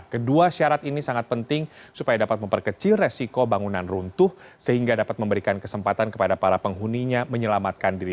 kedua syarat ini sangat penting supaya dapat memperkecil resiko bangunan runtuh sehingga dapat memberikan kesempatan kepada para penghuninya menyelamatkan diri